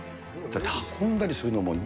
運んだりするのも。